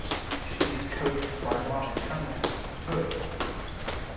She is coached by Mark Cunningham in Perth.